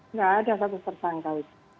nggak ada status tersangka itu